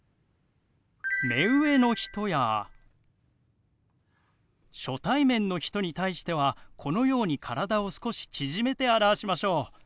目上の人や初対面の人に対してはこのように体を少し縮めて表しましょう。